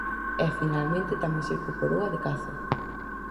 E, finalmente, tamén se incorporou a de caza.